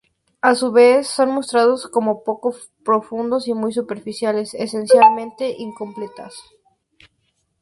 A su vez, son mostrados como poco profundos y muy superficiales, esencialmente incompetentes.